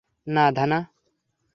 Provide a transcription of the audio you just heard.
না, ধানা।